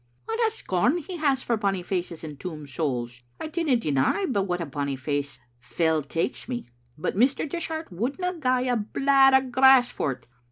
What a scorn he has for bonny faces and toom souls! I dinna deny but what a bonny face fell takes me, but Mr. Dishart wouldna gie a blade o' grass for't.